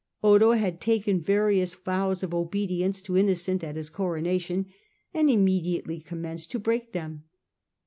Otho had taken various vows of obedience to Innocent at his Coronation, and immediately commenced to break them.